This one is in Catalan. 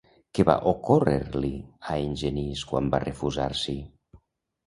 Què va ocórrer-li a Genís quan va refusar-s'hi?